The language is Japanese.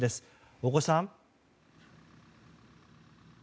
大越さん。